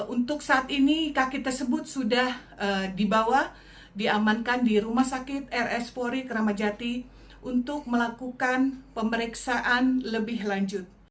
untuk saat ini kaki tersebut sudah dibawa diamankan di rumah sakit rs polri kramajati untuk melakukan pemeriksaan lebih lanjut